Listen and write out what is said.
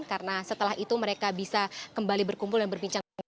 karena setelah itu mereka bisa kembali berkumpul dan berbincang